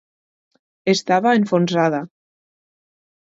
Estava enfonsada.